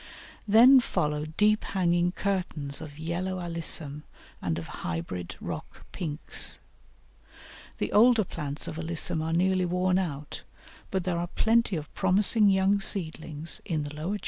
Then follow deep hanging curtains of Yellow Alyssum and of hybrid rock Pinks. The older plants of Alyssum are nearly worn out, but there are plenty of promising young seedlings in the lower joints.